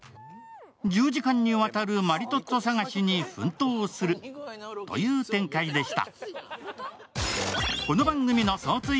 １０時間にわたるマリトッツォ探しに奮闘するという展開でした。